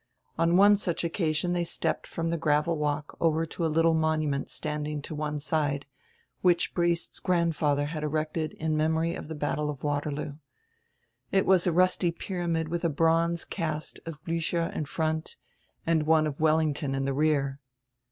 On one such occa sion tiiey stepped from die gravel w r alk over to a littie monument standing to one side, which Briest's grandfather had erected in memory of the batde of Waterloo. It was a rusty pyramid widi a bronze cast of Bliicher in front and one of Wellington in the rear.